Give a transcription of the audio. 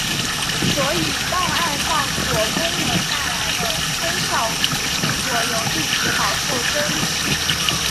所以档案上锁功能带来的功效与副作用一直饱受争议。